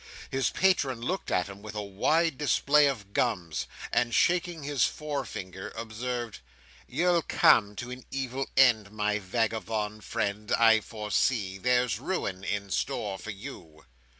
His patron looked at him with a wide display of gums, and shaking his forefinger, observed: "You'll come to an evil end, my vagabond friend, I foresee. There's ruin in store for you.